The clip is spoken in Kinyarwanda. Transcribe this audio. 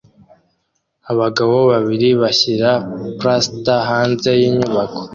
Abagabo babiri bashyira plaster hanze yinyubako